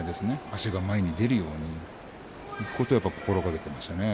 足が前に出るようにそうやっていくことを心がけてました。